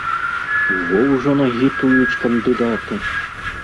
Во ўжо наагітуюць кандыдаты!